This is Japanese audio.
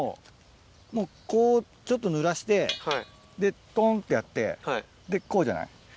もうこうちょっとぬらしてでトンってやってでこうじゃない？